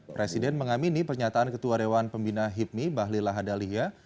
presiden mengamini pernyataan ketua dewan pembina hipmi bahlila hadalihya